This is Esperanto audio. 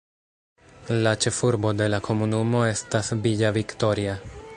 La ĉefurbo de la komunumo estas Villa Victoria.